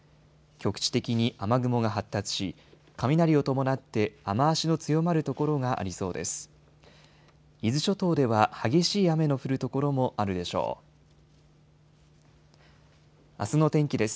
局地的に雨雲が発達し雷を伴って雨足の強まる所がありそうです。